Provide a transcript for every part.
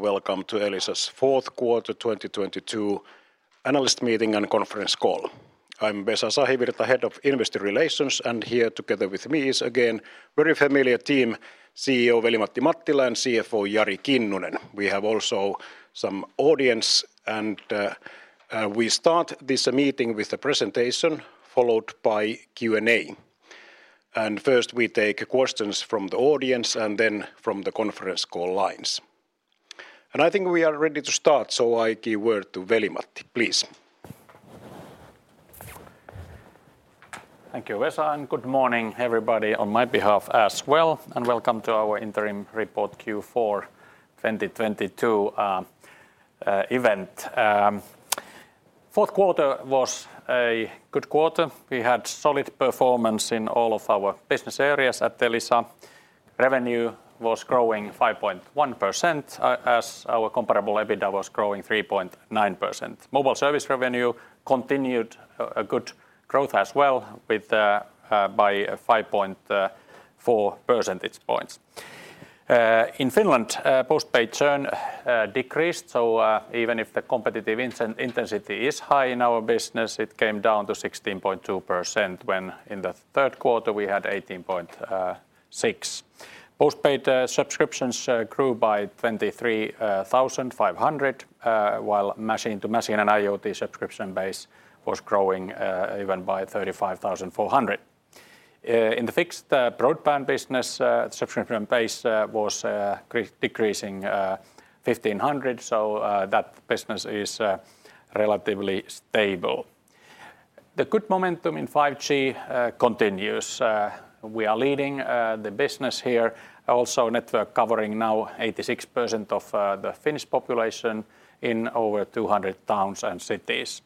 Welcome to Elisa's fourth quarter 2022 analyst meeting and conference call. I'm Vesa Sahivirta, Head of Investor Relations, here together with me is again very familiar team, CEO Veli-Matti Mattila and CFO Jari Kinnunen. We have also some audience, we start this meeting with a presentation followed by Q&A. First, we take questions from the audience and then from the conference call lines. I think we are ready to start, I give word to Veli-Matti, please. Thank you, Vesa. Good morning everybody on my behalf as well, and welcome to our interim report Q4 2022 event. Fourth quarter was a good quarter. We had solid performance in all of our business areas at Elisa. Revenue was growing 5.1% as our comparable EBITDA was growing 3.9%. Mobile service revenue continued good growth as well by 5.4 percentage points. In Finland, postpaid churn decreased. Even if the competitive intensity is high in our business, it came down to 16.2% when in the third quarter we had 18.6%. Postpaid subscriptions grew by 23,500 while machine to machine and IoT subscription base was growing even by 35,400. In the fixed broadband business, subscription base was decreasing 1,500, so that business is relatively stable. The good momentum in 5G continues. We are leading the business here. Also network covering now 86% of the Finnish population in over 200 towns and cities.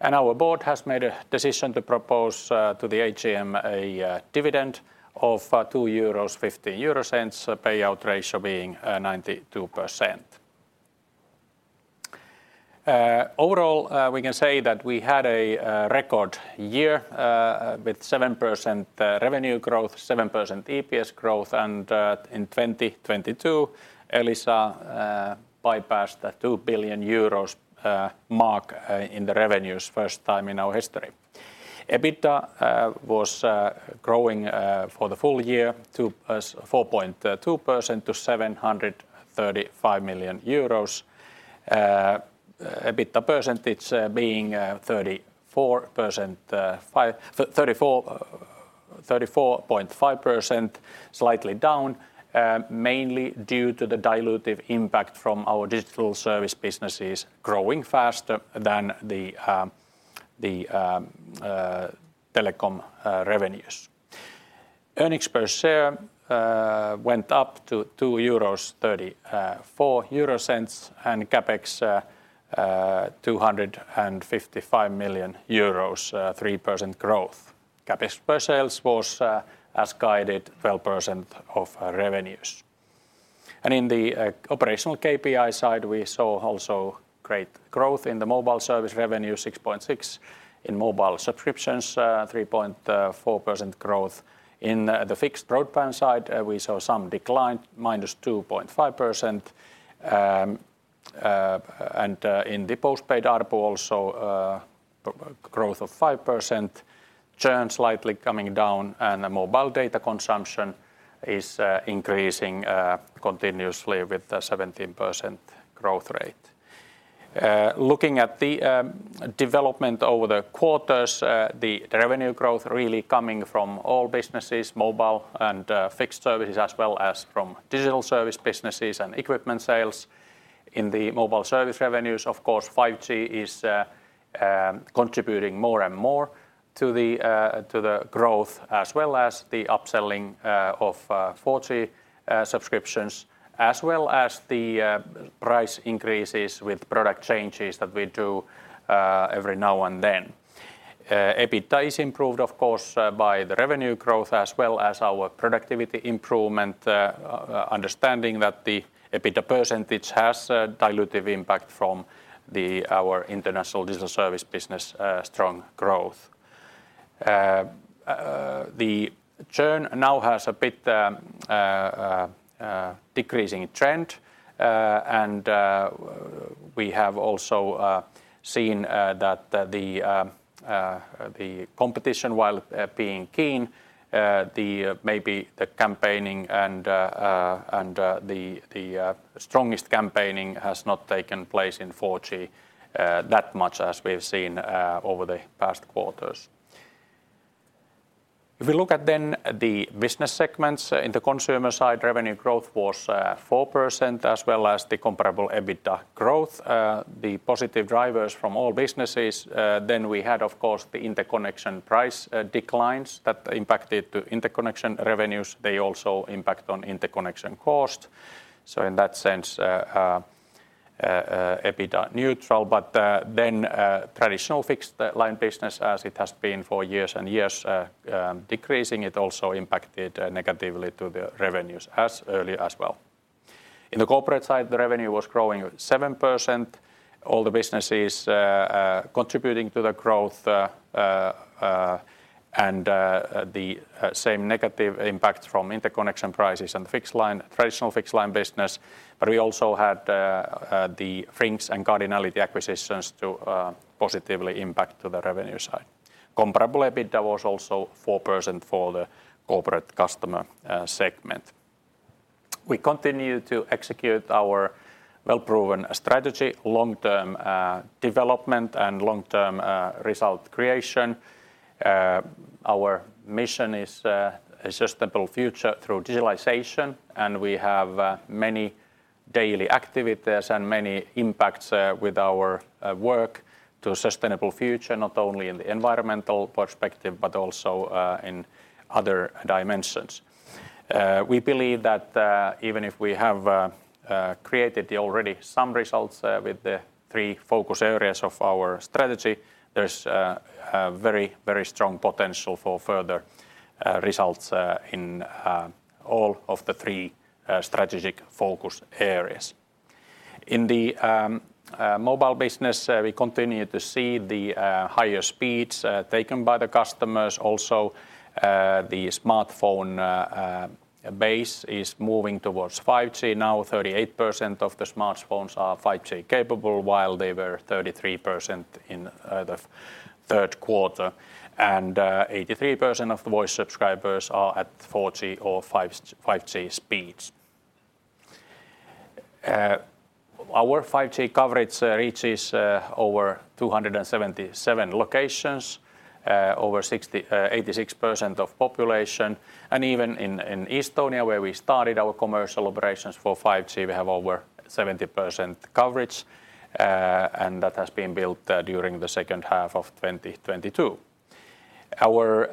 Our board has made a decision to propose to the AGM a dividend of 2.50 euros, payout ratio being 92%. Overall, we can say that we had a record year with 7% revenue growth, 7% EPS growth, and in 2022, Elisa bypassed the 2 billion euros mark in the revenues first time in our history. EBITDA was growing for the full year 4.2% to EUR 735 million. EBITDA percentage being 34.5%, slightly down, mainly due to the dilutive impact from our digital service businesses growing faster than the telecom revenues. Earnings per share went up to 2.34 euros, and CapEx 255 million euros, 3% growth. CapEx per sales was as guided, 12% of revenues. In the operational KPI side, we saw also great growth in the mobile service revenue, 6.6%. In mobile subscriptions, 3.4% growth. In the fixed broadband side, we saw some decline, -2.5%. In the postpaid ARPU also, growth of 5%. Churn slightly coming down, and the mobile data consumption is increasing continuously with a 17% growth rate. Looking at the development over the quarters, the revenue growth really coming from all businesses, mobile and fixed services, as well as from digital service businesses and equipment sales. In the mobile service revenues, of course, 5G is contributing more and more to the growth, as well as the upselling of 4G subscriptions, as well as the price increases with product changes that we do every now and then. EBITDA is improved, of course, by the revenue growth as well as our productivity improvement, understanding that the EBITDA percentage has a dilutive impact from the, our international digital service business, strong growth. The churn now has a bit decreasing trend, and we have also seen that the competition while being keen, the maybe the campaigning and the strongest campaigning has not taken place in 4G that much as we have seen over the past quarters. If we look at the business segments, in the consumer side, revenue growth was 4% as well as the comparable EBITDA growth. The positive drivers from all businesses, we had of course the interconnection price declines that impacted the interconnection revenues. They also impact on interconnection cost. In that sense, EBITDA neutral, traditional fixed line business as it has been for years and years, decreasing, it also impacted negatively to the revenues as early as well. In the corporate side, the revenue was growing at 7%. All the businesses contributing to the growth, the same negative impact from interconnection prices and traditional fixed line business. We also had the FRINX and Cardinality acquisitions to positively impact to the revenue side. Comparable EBITDA was also 4% for the corporate customer segment. We continue to execute our well-proven strategy, long-term development and long-term result creation. Our mission is a sustainable future through digitalization, and we have many daily activities and many impacts with our work to a sustainable future, not only in the environmental perspective, but also in other dimensions. We believe that even if we have created already some results with the three focus areas of our strategy, there's a very, very strong potential for further results in all of the three strategic focus areas. In the mobile business, we continue to see the higher speeds taken by the customers. Also, the smartphone base is moving towards 5G. Now 38% of the smartphones are 5G capable, while they were 33% in the third quarter. 83% of the voice subscribers are at 4G or 5G speeds. Our 5G coverage reaches over 277 locations, over 86% of population. Even in Estonia, where we started our commercial operations for 5G, we have over 70% coverage, and that has been built during the second half of 2022. Our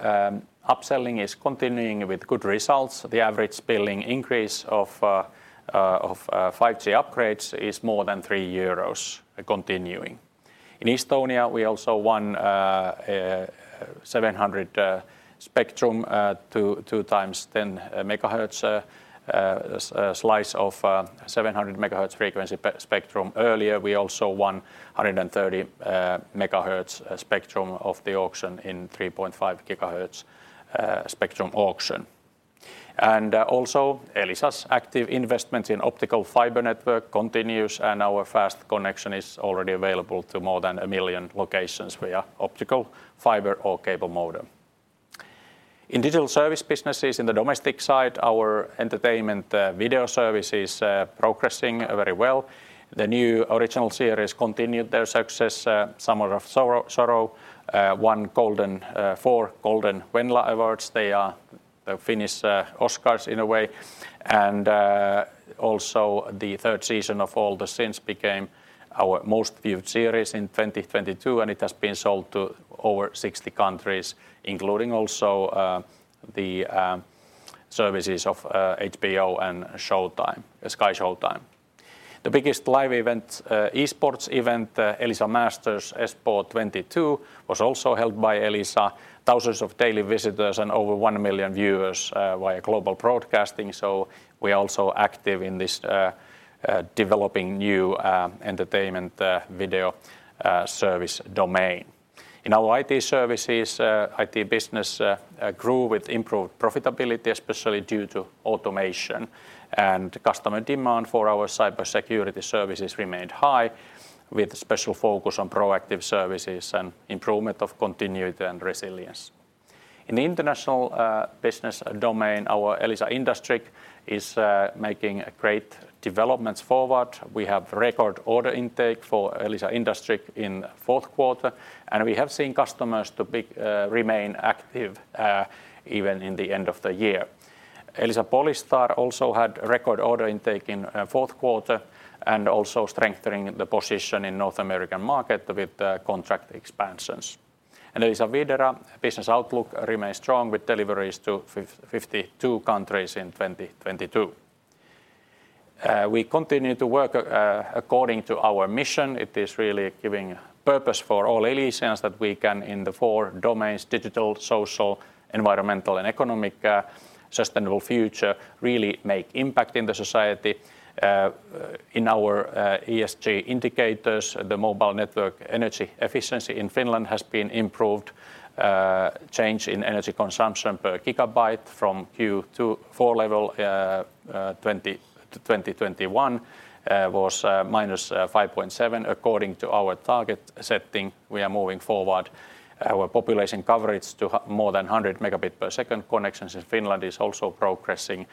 upselling is continuing with good results. The average billing increase of 5G upgrades is more than 3 euros continuing. In Estonia, we also won 700 spectrum, 2x 10 megahertz slice of 700 megahertz frequency spectrum earlier. We also won 130 megahertz spectrum of the auction in 3.5 gigahertz spectrum auction. Also Elisa's active investment in optical fiber network continues, and our fast connection is already available to more than a million locations via optical fiber or cable modem. In digital service businesses in the domestic side, our entertainment video service is progressing very well. The new original series continued their success. Summer of Sorrow won 4 Golden Venla Awards. They are the Finnish Oscars in a way. Also the third season of All the Sins became our most viewed series in 2022, and it has been sold to over 60 countries, including also the services of HBO and Showtime, SkyShowtime. The biggest live event, esports event, Elisa Masters Espoo 2022 was also held by Elisa. Thousands of daily visitors and over one million viewers via global broadcasting. We are also active in this developing new entertainment video service domain. In our IT services, IT business grew with improved profitability, especially due to automation. Customer demand for our cybersecurity services remained high, with special focus on proactive services and improvement of continuity and resilience. In the international business domain, our Elisa Industriq is making great developments forward. We have record order intake for Elisa Industriq in fourth quarter, and we have seen customers to remain active even in the end of the year. Elisa Polystar also had record order intake in fourth quarter and also strengthening the position in North American market with the contract expansions. Elisa Videra business outlook remains strong with deliveries to 52 countries in 2022. We continue to work according to our mission. It is really giving purpose for all Elisians that we can in the 4 domains, digital, social, environmental, and economic, sustainable future really make impact in the society. In our ESG indicators, the mobile network energy efficiency in Finland has been improved. Change in energy consumption per gigabyte from Q24 level 20 to 2021 was minus 5.7%. According to our target setting, we are moving forward our population coverage to more than 100 megabit per second. Connections in Finland is also progressing.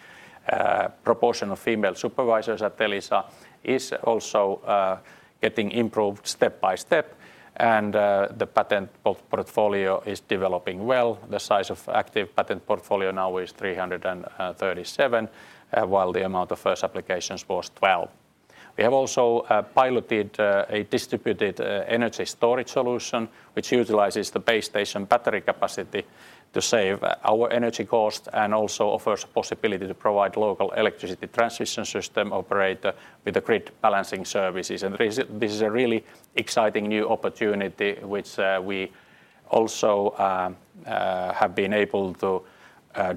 Proportion of female supervisors at Elisa is also getting improved step by step. The patent portfolio is developing well. The size of active patent portfolio now is 337, while the amount of first applications was 12. We have also piloted a distributed energy storage solution, which utilizes the base station battery capacity to save our energy cost and also offers possibility to provide local electricity transmission system operator with the grid balancing services. This is a really exciting new opportunity which we also have been able to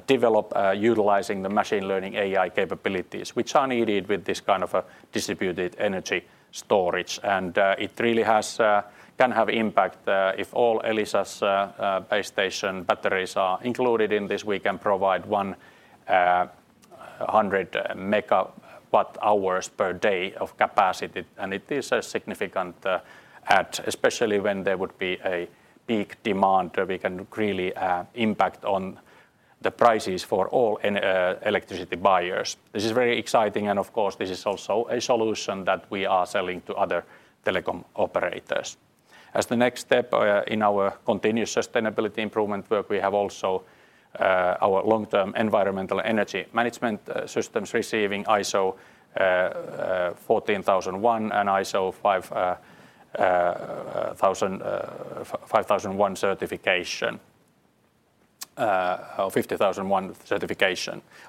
develop utilizing the machine learning AI capabilities, which are needed with this kind of a distributed energy storage. It really has can have impact. If all Elisa's base station batteries are included in this, we can provide 100 megawatt hours per day of capacity. It is a significant add, especially when there would be a peak demand where we can really impact on the prices for all in electricity buyers. This is very exciting. Of course this is also a solution that we are selling to other telecom operators. As the next step, in our continuous sustainability improvement work, we have also our long-term environmental energy management systems receiving ISO 14001 and ISO 50001 certification.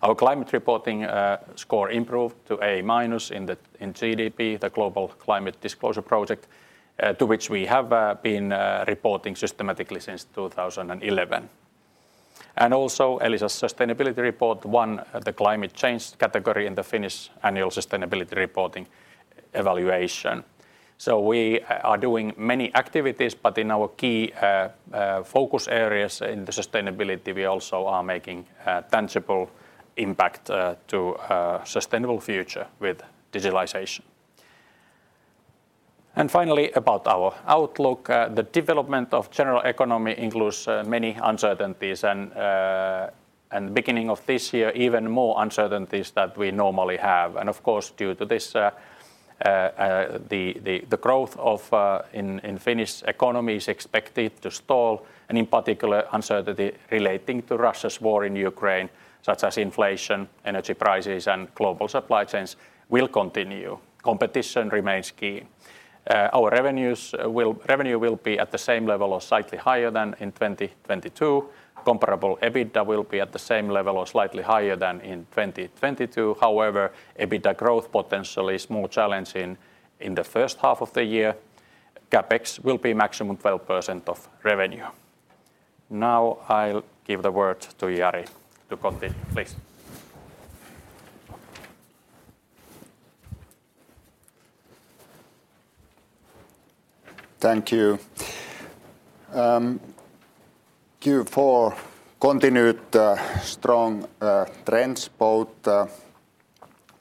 Our climate reporting score improved to A-minus in CDP, the Global Climate Disclosure Project, to which we have been reporting systematically since 2011. Elisa's sustainability report won the climate change category in the Finnish Annual Sustainability Reporting evaluation. We are doing many activities, but in our key focus areas in the sustainability, we also are making a tangible impact to a sustainable future with digitalization. Finally, about our outlook. The development of general economy includes many uncertainties. And the beginning of this year, even more uncertainties that we normally have. Of course, due to this, the growth of in Finnish economy is expected to stall. In particular, uncertainty relating to Russia's war in Ukraine, such as inflation, energy prices, and global supply chains will continue. Competition remains key. Revenue will be at the same level or slightly higher than in 2022. Comparable EBITDA will be at the same level or slightly higher than in 2022. However, EBITDA growth potentially is more challenging in the first half of the year. CapEx will be maximum 12% of revenue. Now I'll give the word to Jari to continue, please. Thank you. Q4 continued strong trends, both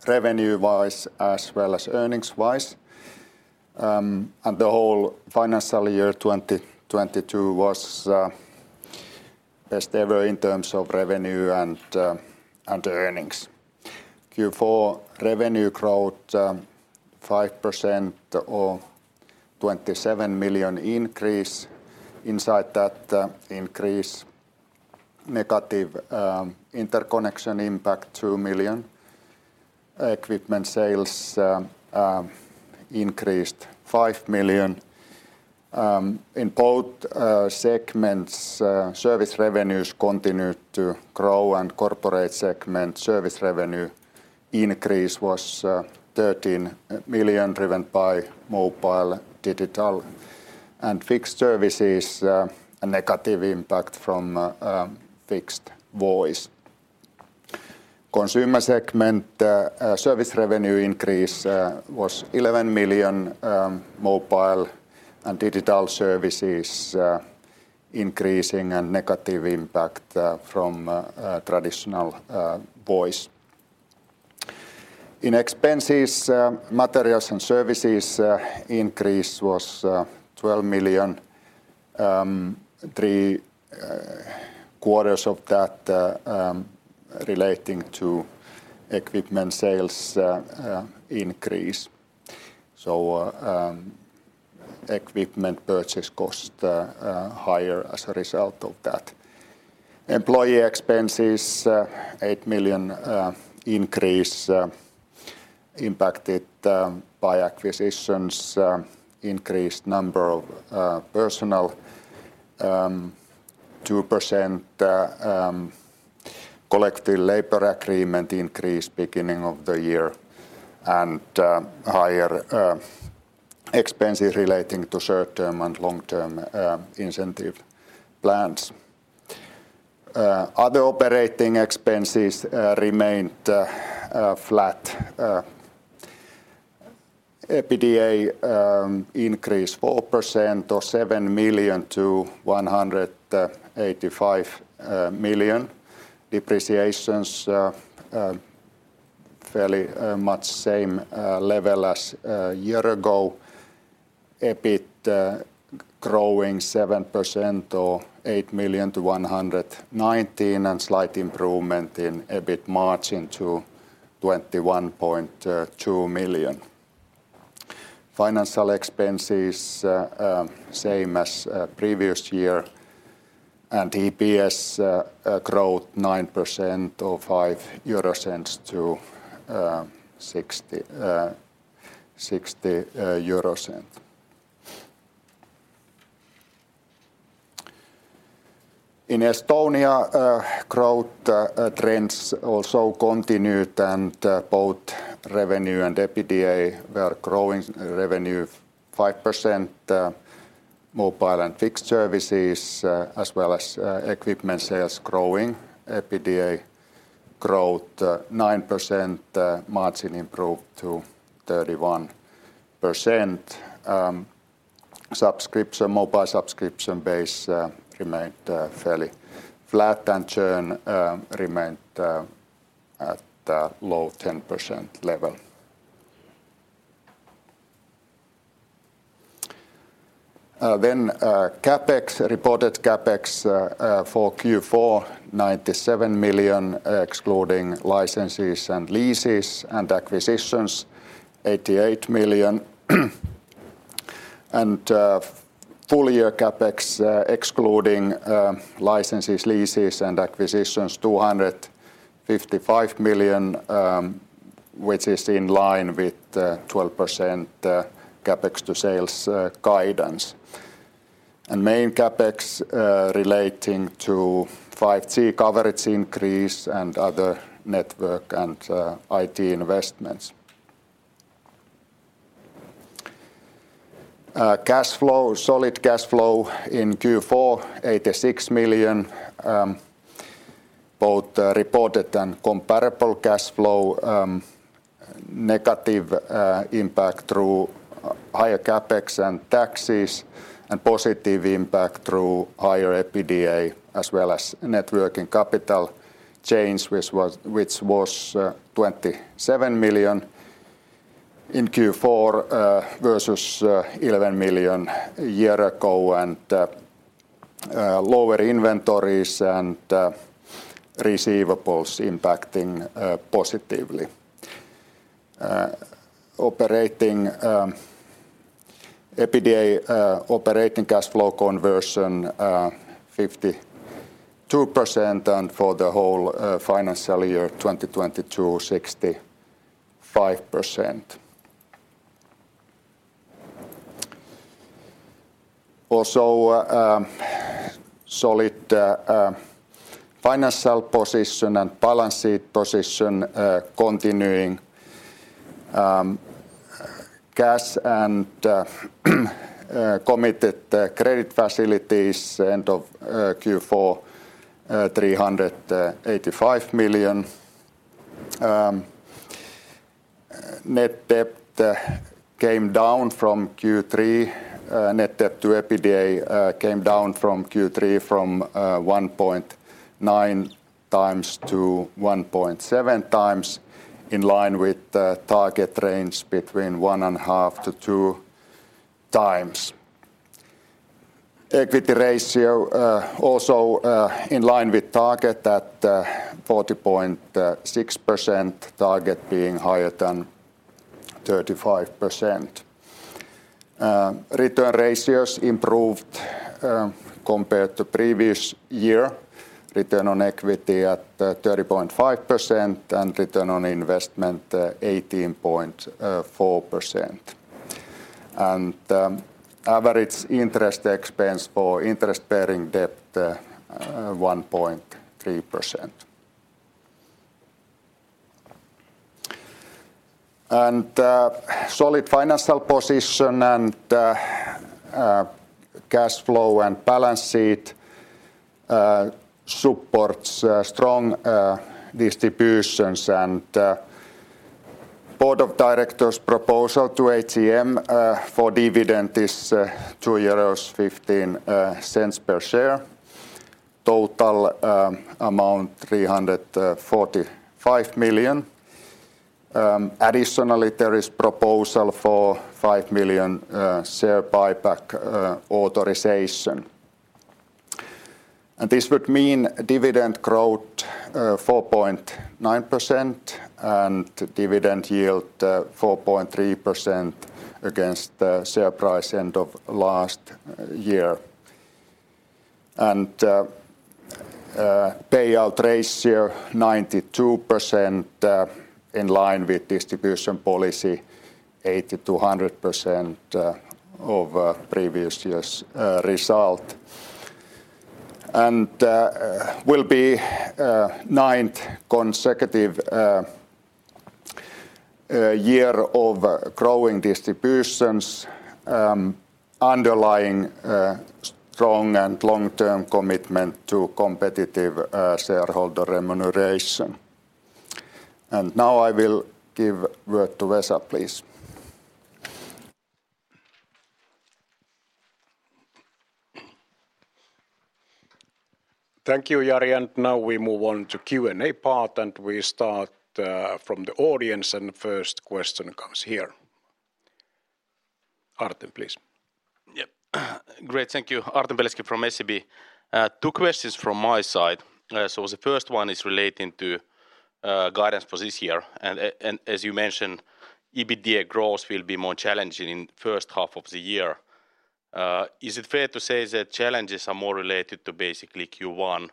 revenue-wise as well as earnings-wise. The whole financial year 2022 was best ever in terms of revenue and earnings. Q4 revenue growth, 5% or 27 million increase. Inside that increase, negative interconnection impact 2 million. Equipment sales increased 5 million. In both segments, service revenues continued to grow, and corporate segment service revenue increase was 13 million driven by mobile, digital and fixed services, a negative impact from fixed voice. Consumer segment service revenue increase was 11 million. Mobile and digital services increasing, and negative impact from traditional voice. In expenses, materials and services increase was 12 million. Three quarters of that relating to equipment sales increase, so equipment purchase cost higher as a result of that. Employee expenses, EUR 8 million increase, impacted by acquisitions, increased number of personnel. 2% collective labor agreement increase beginning of the year, and higher expenses relating to short-term and long-term incentive plans. Other operating expenses remained flat. EBITDA increased 4% or 7 million to 185 million. Depreciations fairly much same level as a year ago. EBIT growing 7% or 8 million to 119 million, and slight improvement in EBIT margin to 21.2%. Financial expenses, same as previous year, and EPS growth 9% or 0.05 to 0.60. In Estonia, growth trends also continued. Both revenue and EBITDA were growing. Revenue 5%, mobile and fixed services, as well as equipment sales growing. EBITDA growth 9%, margin improved to 31%. Mobile subscription base remained fairly flat, and churn remained at low 10% level. CapEx, reported CapEx for Q4, 97 million, excluding licenses and leases and acquisitions, 88 million. Full year CapEx, excluding licenses, leases, and acquisitions, 255 million, which is in line with the 12% CapEx to sales guidance. Main CapEx relating to 5G coverage increase and other network and IT investments. Cash flow, solid cash flow in Q4, 86 million, both reported and comparable cash flow. Negative impact through higher CapEx and taxes, and positive impact through higher EBITDA, as well as networking capital change, which was 27 million in Q4, versus 11 million a year ago. Lower inventories and receivables impacting positively. Operating EBITDA operating cash flow conversion 52%, and for the whole financial year 2022, 65%. Also, solid financial position and balance sheet position continuing. Cash and committed credit facilities end of Q4, EUR 385 million. Net debt came down from Q3. Net debt to EBITDA came down from Q3 from 1.9x to 1.7x, in line with the target range between 1.5 to 2x. Equity ratio also in line with target at 40.6%, target being higher than 35%. Return ratios improved compared to previous year. Return on equity at 30.5% and return on investment 18.4%. Average interest expense for interest-bearing debt 1.3%. Solid financial position and cash flow and balance sheet supports strong distributions. Board of directors' proposal to AGM for dividend is 2.15 euros per share. Total amount 345 million. Additionally, there is proposal for 5 million share buyback authorization. This would mean dividend growth 4.9% and dividend yield 4.3% against the share price end of last year. Payout ratio 92% in line with distribution policy, 80%-100% of previous year's result. Will be ninth consecutive year of growing distributions, underlying strong and long-term commitment to competitive shareholder remuneration. Now I will give word to Vesa, please. Thank you, Jari. Now we move on to Q&A part, we start from the audience, first question comes here. Artem, please. Yep. Great. Thank you. Artem Beletski from SEB. Two questions from my side. The first one is relating to guidance for this year. As you mentioned, EBITDA growth will be more challenging in first half of the year. Is it fair to say that challenges are more related to basically Q1?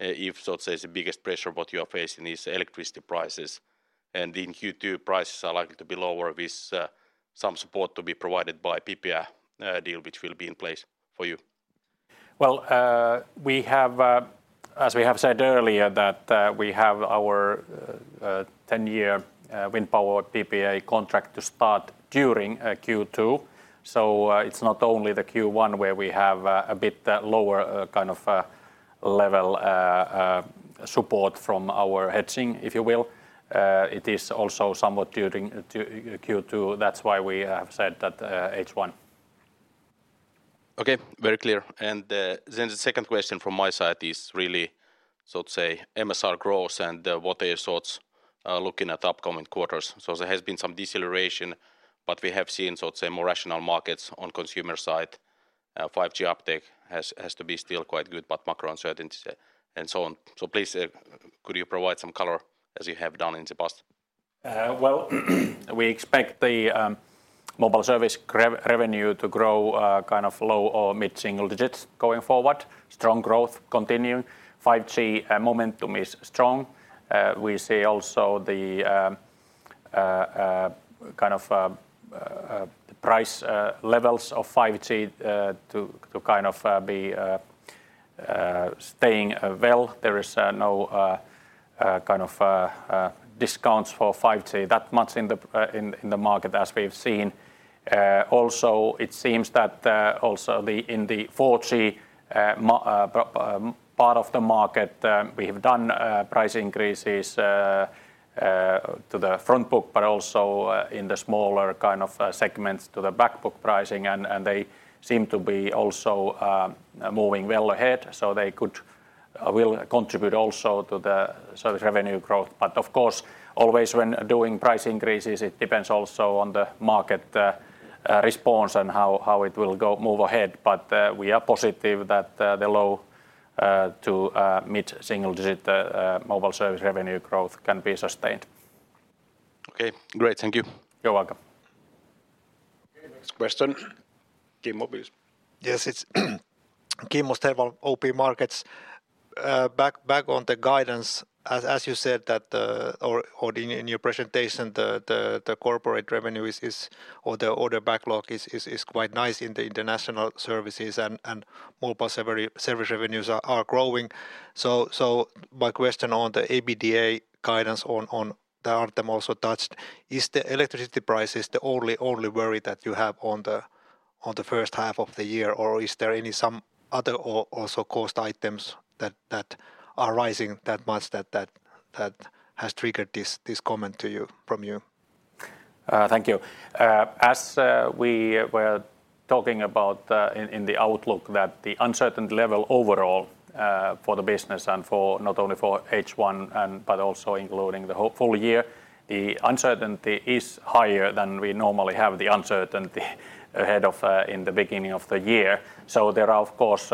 If so to say the biggest pressure what you are facing is electricity prices, and in Q2 prices are likely to be lower with some support to be provided by PPA deal which will be in place for you. Well, we have, as we have said earlier that, we have our 10-year wind power PPA contract to start during Q2. It's not only the Q1 where we have a bit lower kind of level support from our hedging, if you will. It is also somewhat during Q2. That's why we have said that, H1. Okay. Very clear. Then the second question from my side is really, so to say, MSR growth and what are your thoughts looking at upcoming quarters? There has been some deceleration, but we have seen, so to say, more rational markets on consumer side. 5G uptake has to be still quite good, but macro uncertainties, and so on. Please, could you provide some color as you have done in the past? Well, we expect the mobile service revenue to grow kind of low or mid-single digits going forward. Strong growth continuing. 5G momentum is strong. We see also the kind of price levels of 5G to kind of be staying well. There is no kind of discounts for 5G that much in the market as we've seen. Also it seems that also the, in the 4G part of the market, we have done price increases to the front book, but also in the smaller kind of segments to the back book pricing, and they seem to be also moving well ahead, so they could will contribute also to the service revenue growth. Of course always when doing price increases, it depends also on the market response and how it will go, move ahead. We are positive that the low to mid-single digit mobile service revenue growth can be sustained. Okay. Great. Thank you. You're welcome. Okay. Next question. Kimmo. Yes. It's Kimmo Stenvall, OP Markets. Back on the guidance, as you said that, or in your presentation, the corporate revenue is, or the order backlog is quite nice in the international services and mobile service revenues are growing. My question on the EBITDA guidance on that Artem also touched, is the electricity prices the only worry that you have on the first half of the year? Or is there any some other or also cost items that are rising that much that has triggered this comment to you, from you? Thank you. As we were talking about in the outlook that the uncertain level overall for the business and for not only for H1 and, but also including the whole full year, the uncertainty is higher than we normally have the uncertainty ahead of in the beginning of the year. There are, of course,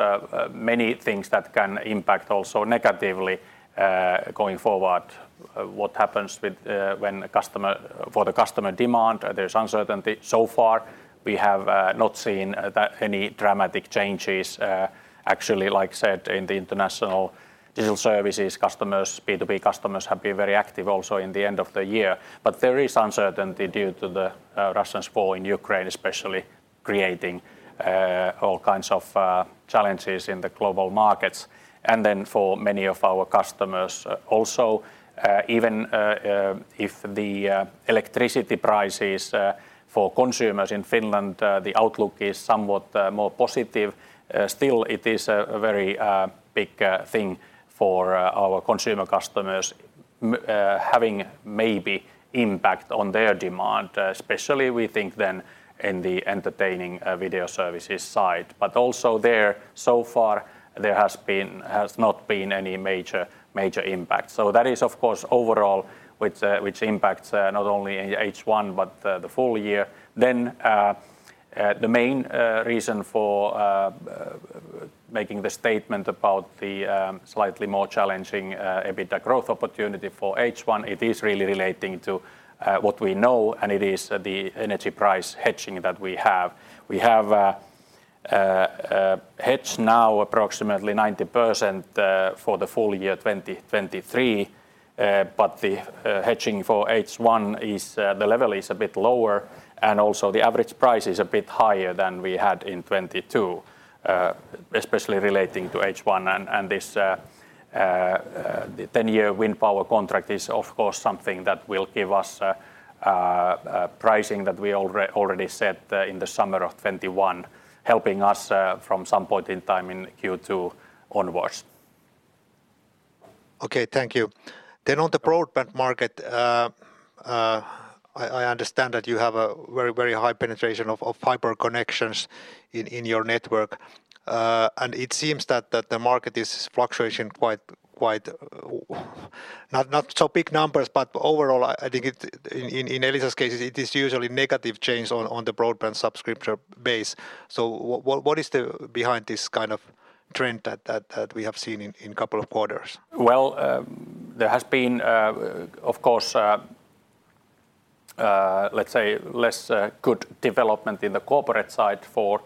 many things that can impact also negatively going forward. What happens with for the customer demand, there's uncertainty. So far we have not seen that any dramatic changes. Actually, like said, in the international digital services customers, B2B customers have been very active also in the end of the year. There is uncertainty due to Russia's war in Ukraine, especially creating all kinds of challenges in the global markets. For many of our customers also, even if the electricity prices for consumers in Finland, the outlook is somewhat more positive, still it is a very big thing for our consumer customers having maybe impact on their demand, especially we think then in the entertaining video services side. Also there, so far there has not been any major impact. That is of course overall, which impacts not only H1 but the full year. The main reason for making the statement about the slightly more challenging EBITDA growth opportunity for H1, it is really relating to what we know, and it is the energy price hedging that we have. We have hedged now approximately 90% for the full year 2023. The hedging for H1 is the level is a bit lower, and also the average price is a bit higher than we had in 2022, especially relating to H1. This 10-year wind power contract is of course something that will give us pricing that we already set in the summer of 2021, helping us from some point in time in Q2 onwards. Okay. Thank you. On the broadband market, I understand that you have a very high penetration of fiber connections in your network. It seems that the market is fluctuation quite not so big numbers, but overall I think in Elisa's cases, it is usually negative change on the broadband subscription base. What is the behind this kind of trend that we have seen in couple of quarters? Well, there has been, of course, let's say less good development in the corporate side for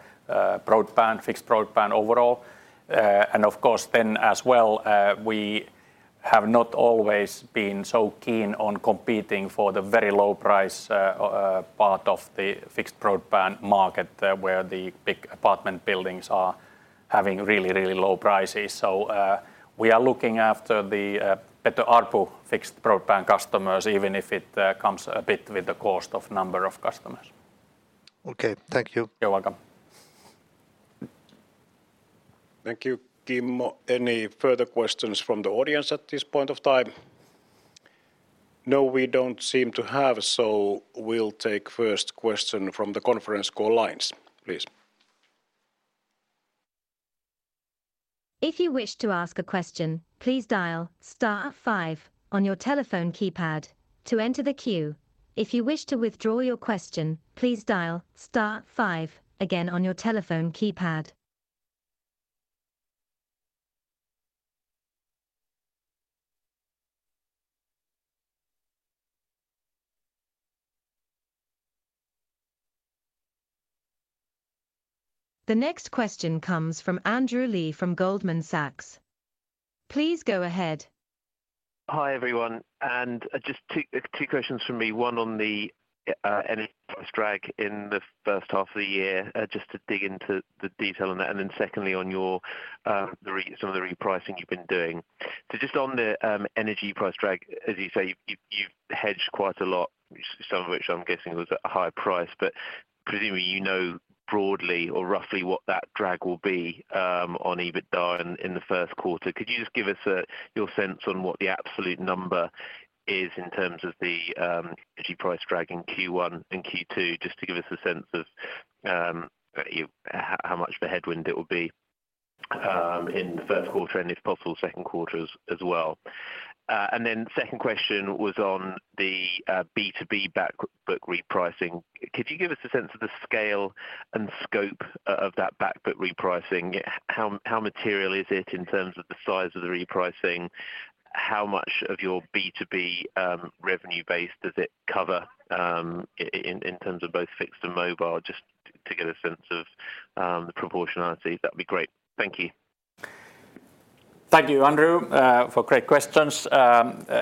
broadband, fixed broadband overall. And of course then as well, we have not always been so keen on competing for the very low price part of the fixed broadband market where the big apartment buildings are having really, really low prices. We are looking after the better ARPU fixed broadband customers, even if it comes a bit with the cost of number of customers. Okay. Thank you. You're welcome. Thank you, Kimmo. Any further questions from the audience at this point of time? No, we don't seem to have. We'll take first question from the conference call lines, please. If you wish to ask a question, please dial star five on your telephone keypad to enter the queue. If you wish to withdraw your question, please dial star five again on your telephone keypad. The next question comes from Andrew Lee from Goldman Sachs. Please go ahead. Hi, everyone. Just two questions from me. One on the energy price drag in the first half of the year, just to dig into the detail on that. Secondly, on your some of the repricing you've been doing. Just on the energy price drag, as you say, you've hedged quite a lot, some of which I'm guessing was at a higher price. Presumably, you know broadly or roughly what that drag will be on EBITDA in the first quarter. Could you just give us your sense on what the absolute number is in terms of the energy price drag in Q1 and Q2, just to give us a sense of, you know, how much of a headwind it will be in the first quarter and if possible, second quarters as well? Second question was on the B2B backbook repricing. Could you give us a sense of the scale and scope of that backbook repricing? How material is it in terms of the size of the repricing? How much of your B2B revenue base does it cover in terms of both fixed and mobile? Just to get a sense of the proportionality. That'd be great. Thank you. Thank you, Andrew, for great questions.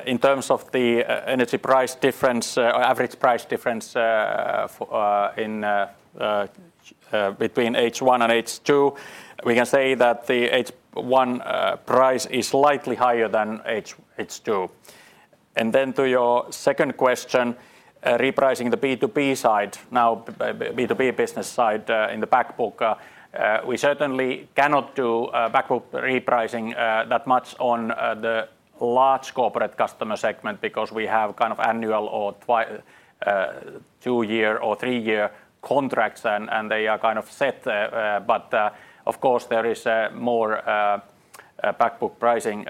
In terms of the e-energy price difference, average price difference in between H1 and H2, we can say that the H1 price is slightly higher than H2. To your second question, repricing the B2B business side in the back book. We certainly cannot do back book repricing that much on the large corporate customer segment because we have kind of annual or two year or three year contracts and they are kind of set. Of course, there is more back book pricing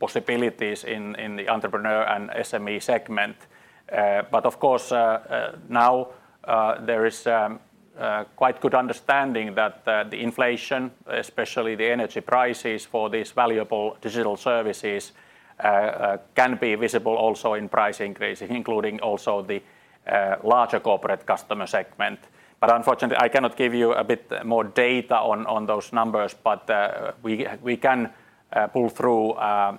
possibilities in the entrepreneur and SME segment. Of course, now there is quite good understanding that the inflation, especially the energy prices for these valuable digital services, can be visible also in price increase, including also the larger corporate customer segment. Unfortunately, I cannot give you a bit more data on those numbers. We can pull through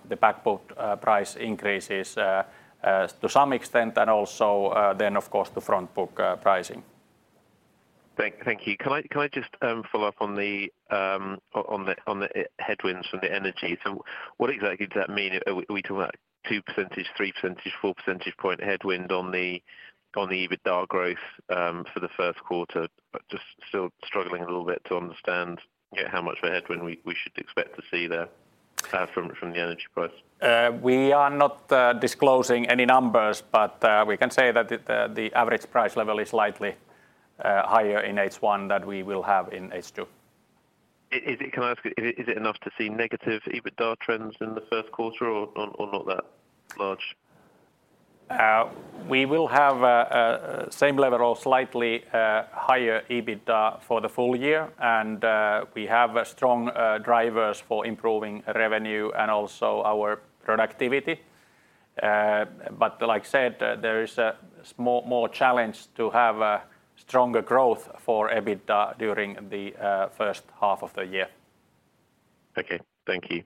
the back book price increases to some extent and also then of course, the front book pricing. Thank you. Can I just follow up on the on the on the headwinds from the energy? What exactly does that mean? Are we talking about two percentage, three percentage, four percentage point headwind on the EBITDA growth for the first quarter? Just still struggling a little bit to understand how much of a headwind we should expect to see there from the energy price. We are not disclosing any numbers, we can say that the average price level is slightly higher in H1 than we will have in H2. Can I ask, is it enough to see negative EBITDA trends in the first quarter or not that large? We will have same level or slightly higher EBITDA for the full year. We have strong drivers for improving revenue and also our productivity. Like I said, there is more challenge to have a stronger growth for EBITDA during the first half of the year. Okay. Thank you.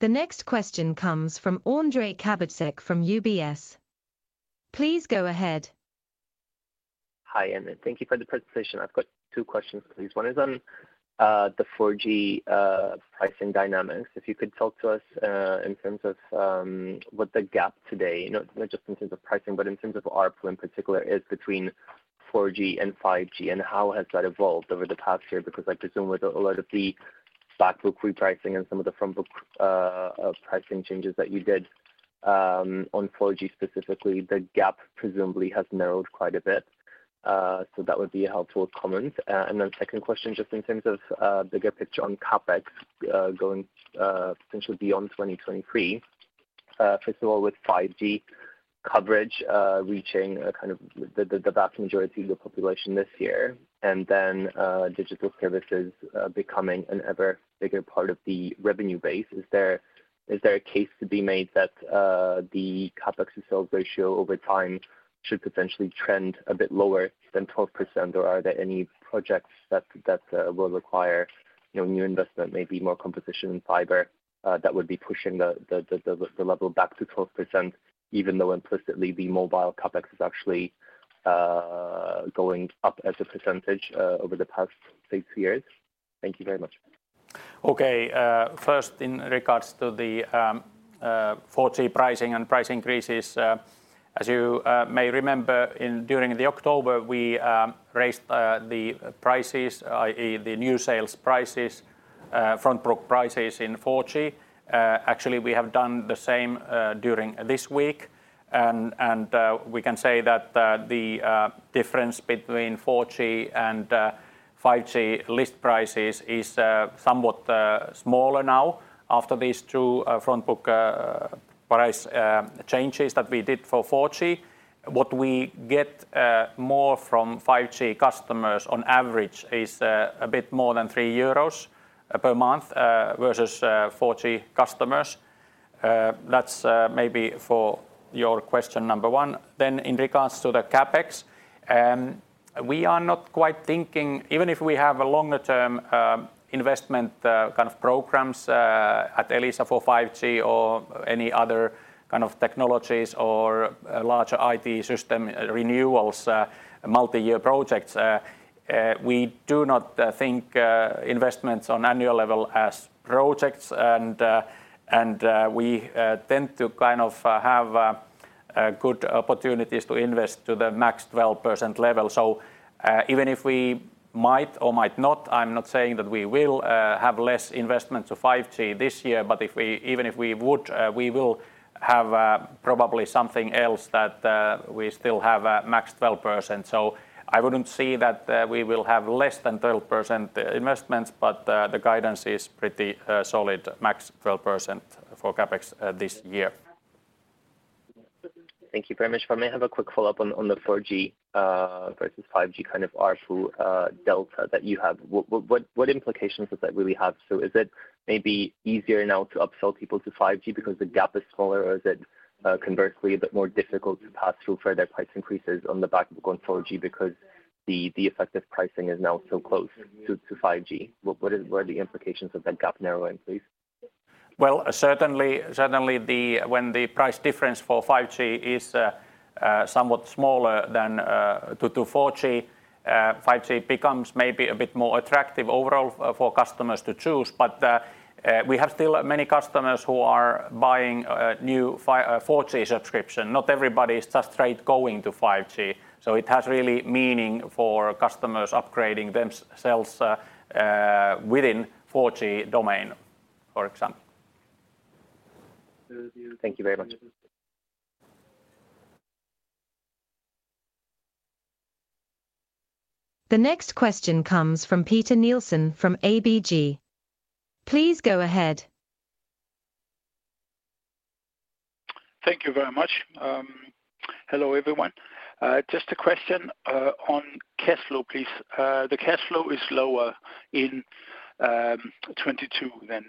The next question comes from Ondrej Cabejsek from UBS. Please go ahead. Hi, and thank you for the presentation. I've got two questions, please. One is on the 4G pricing dynamics. If you could talk to us in terms of what the gap today, you know, not just in terms of pricing, but in terms of ARPU in particular, is between 4G and 5G. How has that evolved over the past year? I presume with a lot of the back book repricing and some of the front book pricing changes that you did on 4G specifically, the gap presumably has narrowed quite a bit. That would be a helpful comment. Second question, just in terms of bigger picture on CapEx, going potentially beyond 2023. First of all, with 5G coverage, reaching a kind of the vast majority of the population this year, and then digital services becoming an ever bigger part of the revenue base. Is there a case to be made that the CapEx to sales ratio over time should potentially trend a bit lower than 12%? Or are there any projects that will require, you know, new investment, maybe more competition in fiber, that would be pushing the level back to 12%, even though implicitly the mobile CapEx is actually going up as a percentage over the past six years? Thank you very much. Okay. First in regards to the 4G pricing and price increases, as you may remember in during the October, we raised the prices, i.e. the new sales prices, front book prices in 4G. Actually, we have done the same during this week. We can say that the difference between 4G and 5G list prices is somewhat smaller now after these two front book price changes that we did for 4G. What we get more from 5G customers on average is a bit more than 3 euros per month versus 4G customers. That's maybe for your question number one. In regards to the CapEx, we are not quite thinking even if we have a longer-term investment kind of programs at Elisa for 5G or any other kind of technologies or larger IT system renewals, multi-year projects. We do not think investments on annual level as projects. We tend to kind of have a good opportunities to invest to the max 12% level. Even if we might or might not, I'm not saying that we will have less investment to 5G this year. Even if we would, we will have probably something else that we still have max 12%. I wouldn't say that, we will have less than 12% investments, but the guidance is pretty solid, max 12% for CapEx this year. Thank you very much. If I may have a quick follow-up on the 4G versus 5G kind of ARPU delta that you have. What implications does that really have? Is it maybe easier now to upsell people to 5G because the gap is smaller? Or is it conversely a bit more difficult to pass through further price increases on the back of going 4G because the effective pricing is now so close to 5G? What are the implications of that gap narrowing, please? Well, certainly, when the price difference for 5G is somewhat smaller than to 4G, 5G becomes maybe a bit more attractive overall for customers to choose. We have still many customers who are buying new 4G subscription. Not everybody is just straight going to 5G. It has really meaning for customers upgrading themselves within 4G domain, for example. Thank you very much. The next question comes from Peter Nielsen from ABG. Please go ahead. Thank you very much. Hello, everyone. Just a question on cash flow, please. The cash flow is lower in 2022 than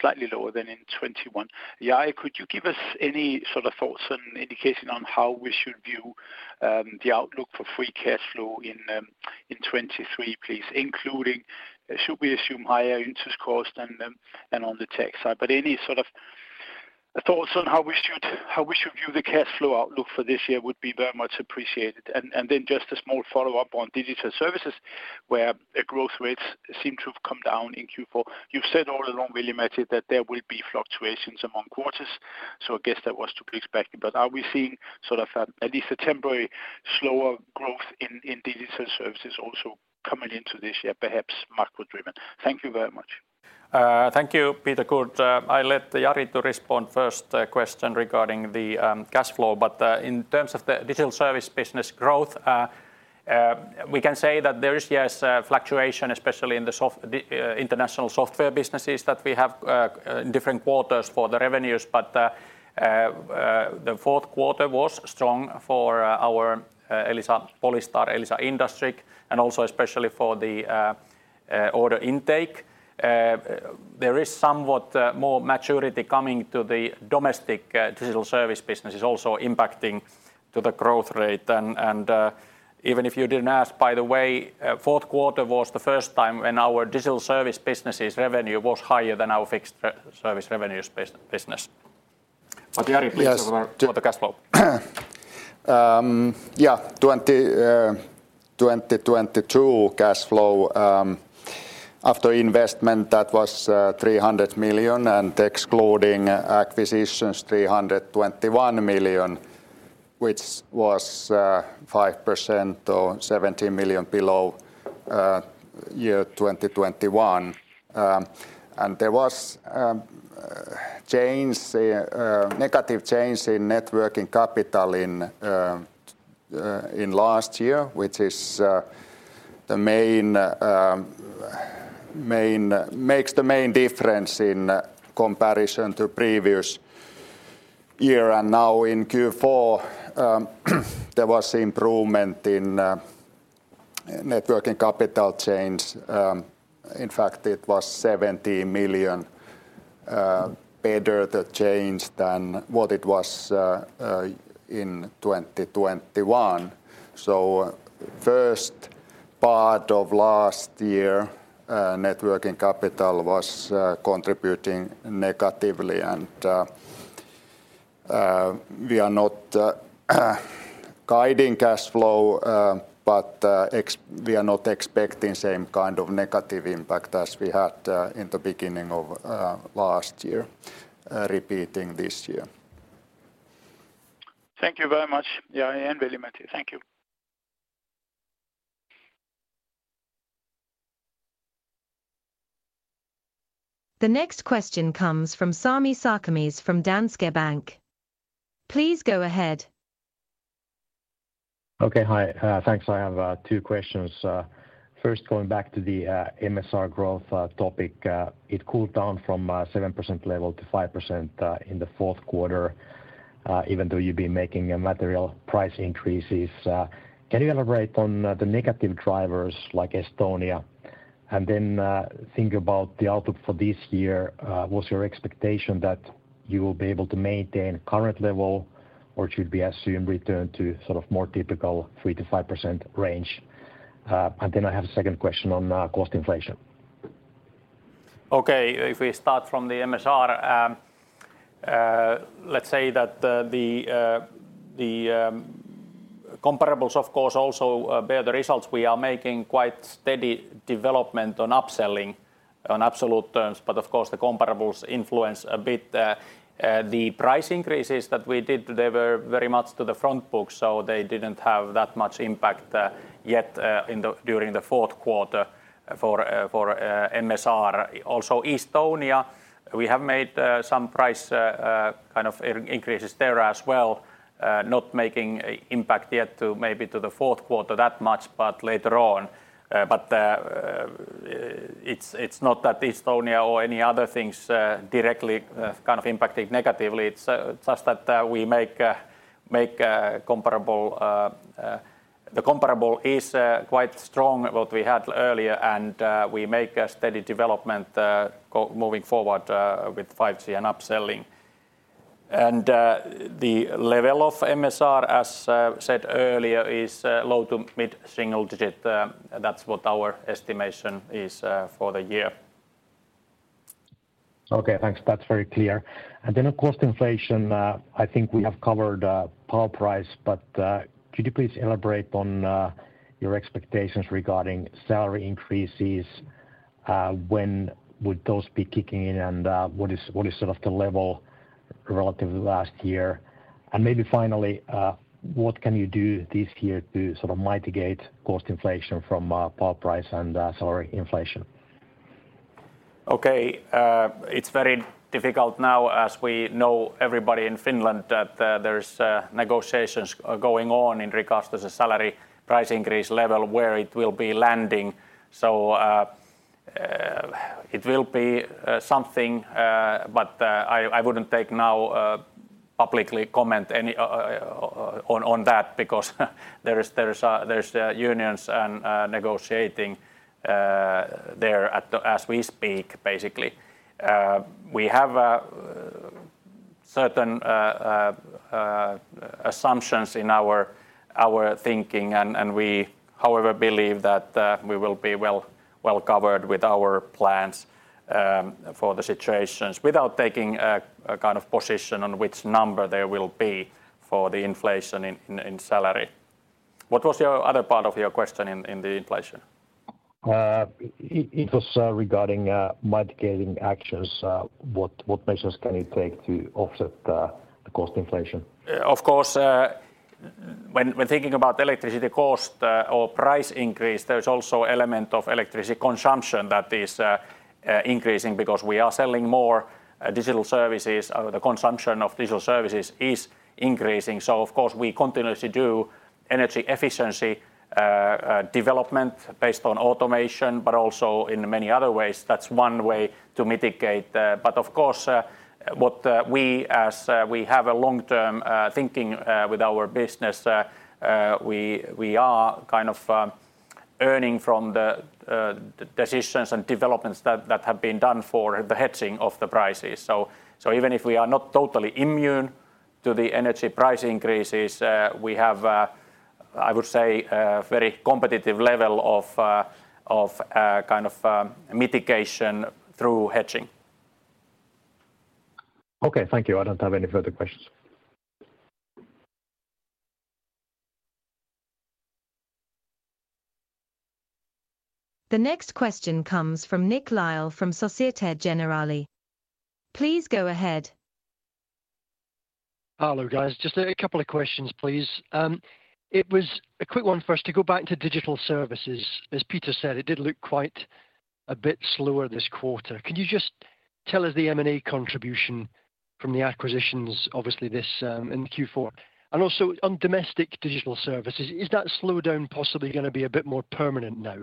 slightly lower than in 2021. Yeah. Could you give us any sort of thoughts and indication on how we should view the outlook for free cash flow in 2023, please? Including, should we assume higher interest cost and on the tech side. Any sort of thoughts on how we should view the cash flow outlook for this year would be very much appreciated. Just a small follow-up on digital services, where growth rates seem to have come down in Q4. You've said all along, Veli-Matti, that there will be fluctuations among quarters, so I guess that was to be expected. Are we seeing sort of, at least a temporary slower growth in digital services also coming into this year, perhaps macro driven? Thank you very much. Thank you, Peter. Good. I'll let Jari to respond first, question regarding the cash flow. In terms of the digital service business growth, we can say that there is, yes, fluctuation, especially in the international software businesses that we have in different quarters for the revenues. The fourth quarter was strong for our Elisa Polystar, Elisa Industriq, and also especially for the order intake. There is somewhat more maturity coming to the domestic digital service business is also impacting to the growth rate. Even if you didn't ask, by the way, fourth quarter was the first time when our digital service business' revenue was higher than our fixed service revenues business. Jari, please cover for the cash flow. Yes. Yeah. 2022 cash flow after investment, that was 300 million, and excluding acquisitions, 321 million, which was 5% or 70 million below year 2021. There was negative change in net working capital in last year, which is the main, main, makes the main difference in comparison to previous year. Now in Q4, there was improvement in networking capital change. In fact, it was 70 million better the change than what it was in 2021. First part of last year, networking capital was contributing negatively. We are not guiding cashflow, but we are not expecting same kind of negative impact as we had in the beginning of last year repeating this year. Thank you very much. Yeah, and Veli-Matti. Thank you. The next question comes from Sami Sarkamies from Danske Bank. Please go ahead. Okay. Hi, thanks. I have two questions. First going back to the MSR growth topic. It cooled down from 7% level to 5% in the fourth quarter, even though you've been making a material price increases. Can you elaborate on the negative drivers like Estonia? Then think about the outlook for this year. What's your expectation that you will be able to maintain current level or should be assumed return to sort of more typical 3%-5% range? Then I have a second question on cost inflation. If we start from the MSR, let's say that the comparables of course also bear the results. We are making quite steady development on upselling on absolute terms, but of course the comparables influence a bit the price increases that we did. They were very much to the front book, so they didn't have that much impact yet during the fourth quarter for MSR. Estonia, we have made some price kind of increases there as well. Not making impact yet to maybe to the fourth quarter that much, but later on. It's not that Estonia or any other things directly kind of impacted negatively. It's just that we make comparable, the comparable is quite strong what we had earlier, and we make a steady development moving forward with 5G and upselling. The level of MSR, as said earlier, is low to mid-single digit. That's what our estimation is for the year. Okay, thanks. That's very clear. On cost inflation, I think we have covered power price, could you please elaborate on your expectations regarding salary increases? When would those be kicking in, what is sort of the level relative to last year? Maybe finally, what can you do this year to sort of mitigate cost inflation from power price and salary inflation? Okay. It's very difficult now as we know everybody in Finland that there's negotiations going on in regards to the salary price increase level, where it will be landing. It will be something, but I wouldn't take now publicly comment on that because there is there's the unions and negotiating there as we speak, basically. We have certain assumptions in our thinking, and we however believe that we will be well covered with our plans for the situations without taking a kind of position on which number there will be for the inflation in salary. What was your other part of your question in the inflation? It was regarding mitigating actions. What measures can you take to offset the cost inflation? Of course, when thinking about electricity cost or price increase, there's also element of electricity consumption that is increasing because we are selling more digital services. The consumption of digital services is increasing. Of course we continuously do energy efficiency development based on automation, but also in many other ways, that's one way to mitigate. Of course, what we as, we have a long-term thinking with our business, we are kind of earning from the decisions and developments that have been done for the hedging of the prices. Even if we are not totally immune to the energy price increases, we have, I would say a very competitive level of, kind of mitigation through hedging. Okay, thank you. I don't have any further questions. The next question comes from Nick Lyall from Societe Generale. Please go ahead. Hello, guys. Just a couple of questions, please. It was a quick one first to go back to digital services. As Peter said, it did look quite a bit slower this quarter. Can you just tell us the M&A contribution from the acquisitions, obviously this, in Q4. Also on domestic digital services, is that slowdown possibly going to be a bit more permanent now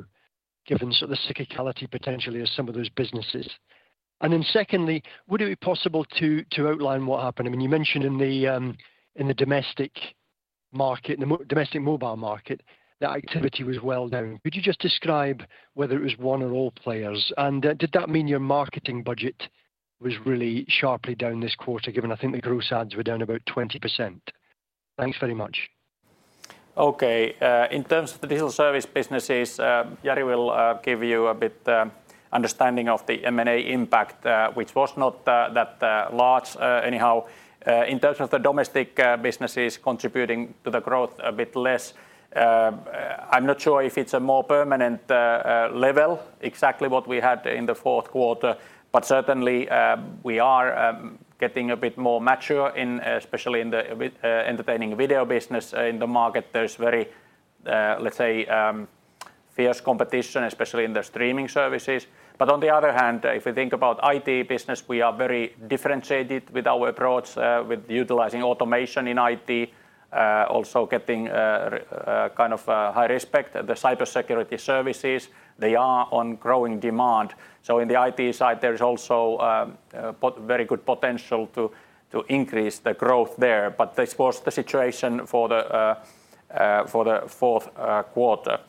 given sort of the cyclicality potentially of some of those businesses? Secondly, would it be possible to outline what happened? I mean, you mentioned in the domestic market, in the domestic mobile market that activity was well known. Could you just describe whether it was one or all players? Did that mean your marketing budget was really sharply down this quarter, given I think the gross ads were down about 20%. Thanks very much. In terms of the digital service businesses, Jari will give you a bit understanding of the M&A impact, which was not that large anyhow. In terms of the domestic businesses contributing to the growth a bit less, I'm not sure if it's a more permanent level exactly what we had in the fourth quarter, but certainly, we are getting a bit more mature in, especially in the with entertaining video business in the market. There's very, let's say, fierce competition, especially in the streaming services. On the other hand, if we think about IT business, we are very differentiated with our approach, with utilizing automation in IT, also getting kind of high respect. The cybersecurity services, they are on growing demand. In the IT side, there is also very good potential to increase the growth there. This was the situation for the fourth quarter.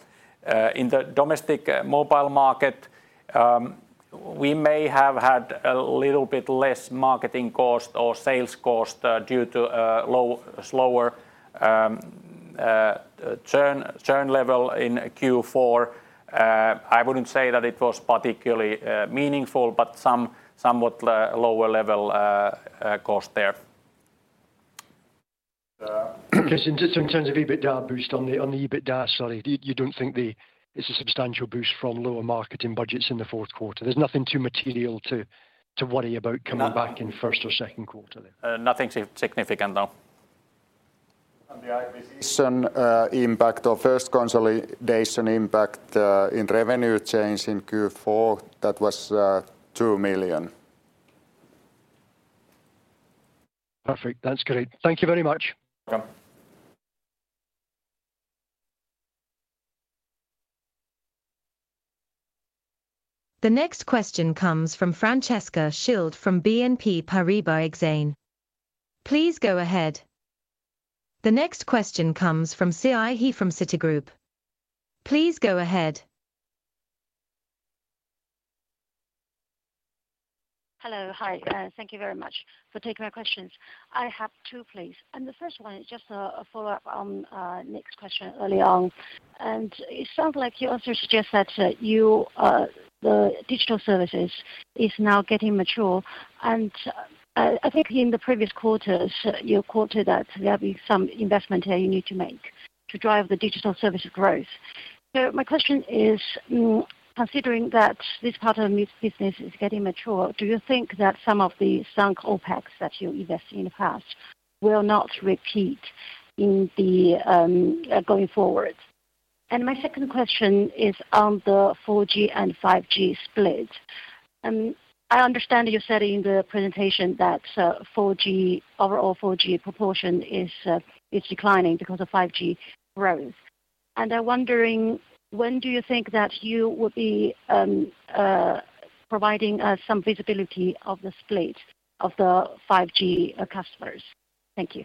In the domestic mobile market, we may have had a little bit less marketing cost or sales cost due to low, slower churn level in Q4. I wouldn't say that it was particularly meaningful, but somewhat lower level cost there. Just in terms of EBITDA boost on the EBITDA, sorry. You don't think it's a substantial boost from lower marketing budgets in the fourth quarter? There's nothing too material to worry about coming back in first or second quarter then? Nothing significant, no. The acquisition impact or first consolidation impact in revenue change in Q4, that was 2 million. Perfect. That's great. Thank you very much. Welcome. The next question comes from Francesca Schildt from BNP Paribas Exane. Please go ahead. The next question comes from Siyi He from Citigroup. Please go ahead. Hello. Hi. Thank you very much for taking my questions. I have two, please. The first one is just a follow-up on Nick's question early on. It sounds like you also suggest that you the digital services is now getting mature. I think in the previous quarters, you quoted that there'll be some investment you need to make to drive the digital service growth. My question is, considering that this part of the business is getting mature, do you think that some of the sunk OpEx that you invested in the past will not repeat in the going forward? My second question is on the 4G and 5G split. I understand you're saying the presentation that 4G, overall 4G proportion is declining because of 5G growth. I'm wondering when do you think that you will be providing some visibility of the split of the 5G customers? Thank you.